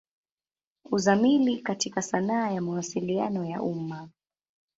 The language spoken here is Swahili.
Uzamili katika sanaa ya Mawasiliano ya umma.